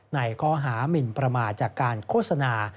ในข้อหามินประมาทจากการโฆษณา